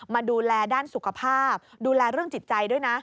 มาดูแลด้านสุขภาพดูแลเรื่องจิตใจด้วยนะ